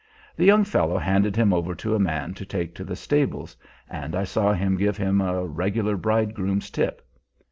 The young fellow handed him over to a man to take to the stables, and I saw him give him a regular bridegroom's tip.